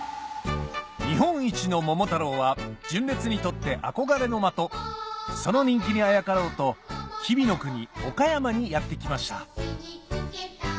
日本一の桃太郎は純烈にとって憧れの的その人気にあやかろうと吉備の国岡山にやって来ました